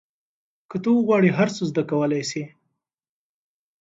که ته وغواړې هر څه زده کولای سې.